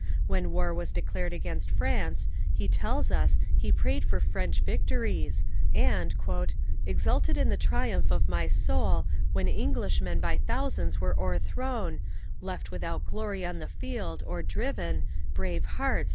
When war was declared against France, he tells us, he prayed for French victories, and Exulted in the triumph of my soul, When Englishmen by thousands were o'erthrown, Left without glory on the field, or driven, Brave hearts!